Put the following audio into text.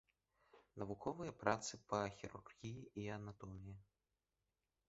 Навуковыя працы па хірургіі і анатоміі.